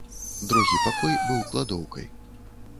Другі пакой быў кладоўкай.